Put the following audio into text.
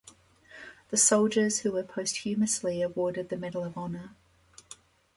The soldiers who were posthumously awarded the Medal of Honor.